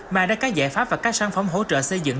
mà đã có giải pháp và các sản phẩm hỗ trợ xây dựng